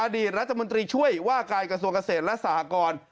อดีตรัฐมนตรีช่วยว่าการกระทรวงเกษตรและสหกร